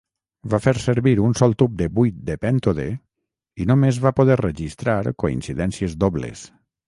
Va fer servir un sol tub de buit de pèntode i només va poder registrar coincidències dobles.